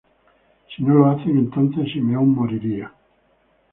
Si no lo hacen, entonces Simeón moriría.